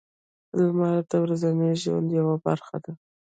• لمر د ورځني ژوند یوه برخه ده.